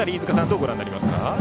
どうご覧になりますか？